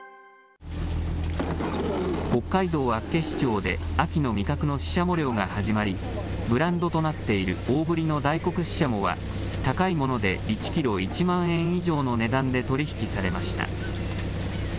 北海道厚岸町で秋の味覚のシシャモ漁が始まり、ブランドとなっている大ぶりの大黒ししゃもは、高いもので１キロ１万円以上の値段で取り引きされました。